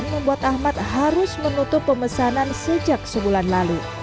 membuat ahmad harus menutup pemesanan sejak sebulan lalu